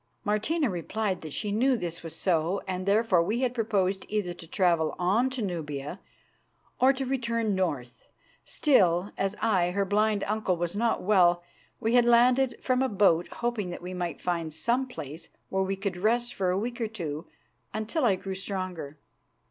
Martina replied that she knew this was so, and therefore we had proposed either to travel on to Nubia or to return north. Still, as I, her blind uncle, was not well, we had landed from a boat hoping that we might find some place where we could rest for a week or two until I grew stronger.